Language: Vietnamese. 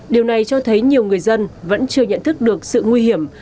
điều này cho thấy nhiều người dân vẫn chưa nhận thức được sự nguy hiểm